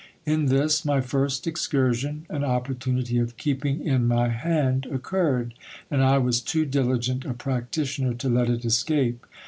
In this my first excursion, an opportunity of keep ing in my hand occurred ; and I was too diligent a practitioner to let it escape.